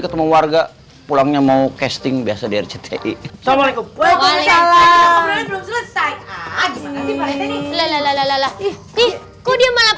ketemu warga pulangnya mau casting biasa di rcti assalamualaikum waalaikumsalam